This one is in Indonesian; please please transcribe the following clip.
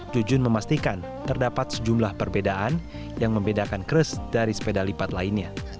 jujun memastikan terdapat sejumlah perbedaan yang membedakan kres dari sepeda lipat lainnya